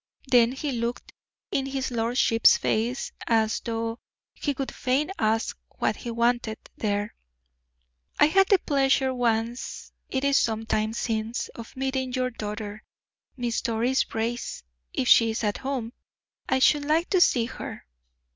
Then he looked in his lordship's face as though he would fain ask what he wanted there. "I had the pleasure once it is some time since of meeting your daughter, Miss Doris Brace. If she is at home, I should like to see her."